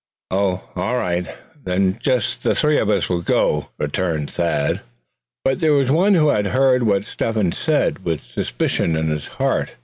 "Oh! all right, then just the three of us will go," returned Thad, carelessly. But there was one who had heard what Step hen said, with suspicion in his heart.